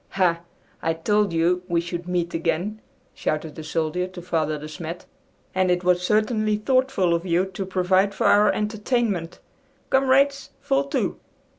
"Ha! I told you we should meet again!" shouted the soldier to Father De Smet. "And it was certainly thoughtful of you to provide for our entertainment. Comrades, fall to!"